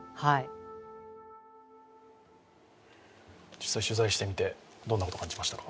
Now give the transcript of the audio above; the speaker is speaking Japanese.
実際、取材してみてどんなことを感じましたか？